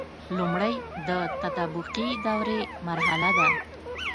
لمړی د تطابقي دورې مرحله ده.